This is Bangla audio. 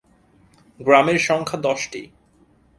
গ্রামের সংখ্যা দশটি।